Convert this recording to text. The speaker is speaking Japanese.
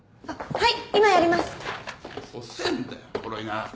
はい。